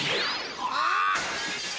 あっ！